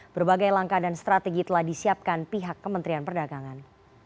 berbagai langkah dan strategi telah disiapkan pihak kementerian perdagangan